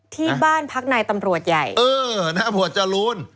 ที่บ้านพักนายตำรวจใหญ่เออหน้าหมวดจรูน